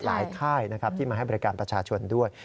ค่ายนะครับที่มาให้บริการประชาชนด้วย